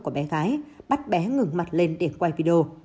của bé gái bắt bé ngừng mặt lên để quay video